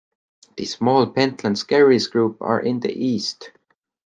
The small Pentland Skerries group are in the east.